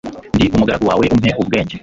ndi umugaragu wawe, umpe ubwenge